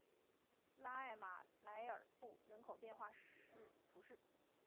拉艾马莱尔布人口变化图示